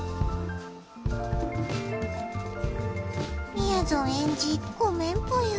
みやぞんエンジごめんぽよ。